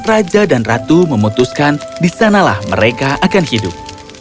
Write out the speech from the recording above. raja dan ratu memutuskan disanalah mereka akan hidup